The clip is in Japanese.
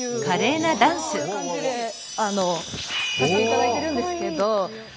こういう感じでさせていただいてるんですけど。